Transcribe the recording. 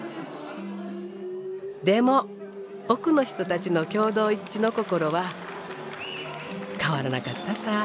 でも奥の人たちの共同一致の心は変わらなかったさー。